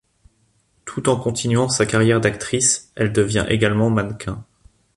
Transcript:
Tout en continuant sa carrière d’actrice, elle devient également mannequin.